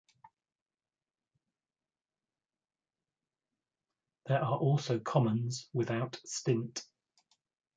There are also commons without stint.